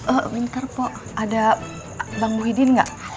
eh bentar po ada bang muhyiddin gak